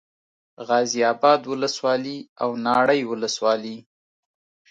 غازي اباد ولسوالي او ناړۍ ولسوالي